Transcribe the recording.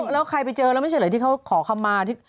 แล้วใครไปเจอแล้วไม่ใช่เหรอที่เขาขอคำมาที่